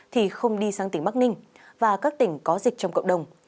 thì không đi sang tỉnh bắc ninh và các tỉnh có dịch trong cộng đồng